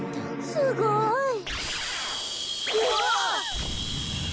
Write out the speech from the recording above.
すごい。うわ！